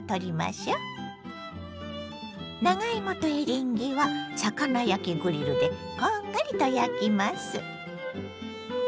長芋とエリンギは魚焼きグリルでこんがりと焼きます。